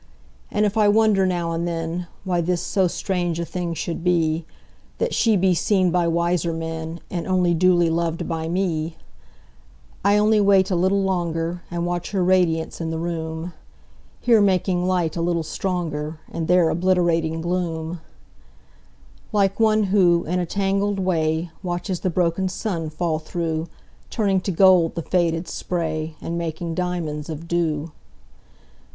And if I wonder now and thenWhy this so strange a thing should be—That she be seen by wiser menAnd only duly lov'd by me:I only wait a little longer, And watch her radiance in the room; Here making light a little stronger, And there obliterating gloom,(Like one who, in a tangled way, Watches the broken sun fall through, Turning to gold the faded spray, And making diamonds of dew).